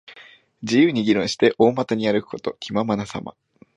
自由に議論して、大股に歩くこと。気ままなさま。